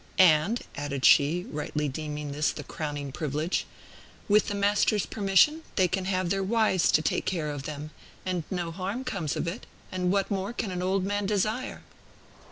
"And," added she, rightly deeming this the crowning privilege, "with the Master's permission, they can have their wives to take care of them; and no harm comes of it; and what more can an old man desire?"